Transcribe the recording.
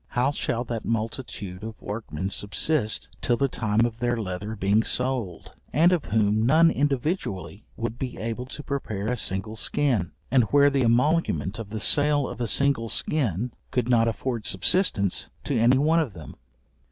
How shall that multitude of workmen subsist till the time of their leather being sold, and of whom none individually would be able to prepare a single skin; and where the emolument of the sale of a single skin could not afford subsistence to any one of them?